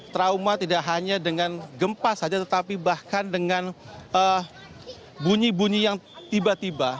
trauma tidak hanya dengan gempa saja tetapi bahkan dengan bunyi bunyi yang tiba tiba